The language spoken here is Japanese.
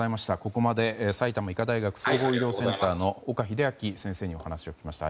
ここまで埼玉医科大学総合医療センターの岡秀昭先生にお話を聞きました。